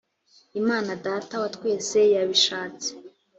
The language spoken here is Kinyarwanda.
imana data wa twese yabishatse .